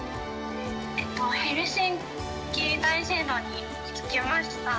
ヘルシンキ大聖堂に着きました。